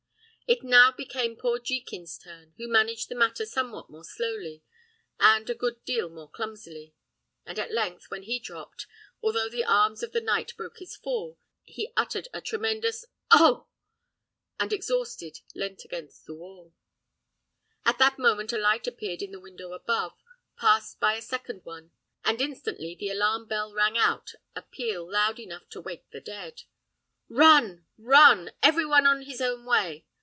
It now became poor Jekin's turn, who managed the matter somewhat more slowly, and a good deal more clumsily; and at length, when he dropped, although the arms of the knight broke his fall, he uttered a tremendous "Oh!" and exhausted, leant against the wall. At that moment a light appeared in a window above, passed by a second one, and instantly the alarum bell rang out a peal loud enough to awake the dead. "Run! run! every one his own way!"